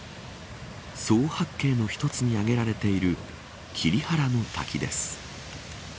曽於八景の１つに挙げられている桐原の滝です。